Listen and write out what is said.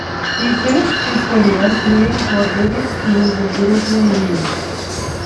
He finished his career playing for various teams in European leagues.